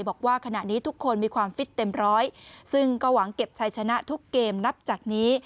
บอกว่าขณะนี้ทุกคนมีความฟิตเต็มร้อยซึ่งก็หวังเก็บชัยชนะทุกเกมนับจากนี้